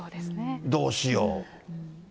どうしよう。